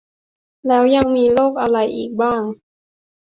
แล้วยังมีโรคอะไรอีกบ้าง